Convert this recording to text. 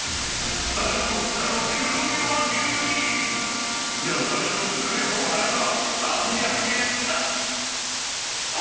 大特価の黒毛和牛に、野菜の詰め放題は３００円だ。